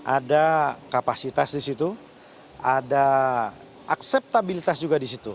ada kapasitas di situ ada akseptabilitas juga di situ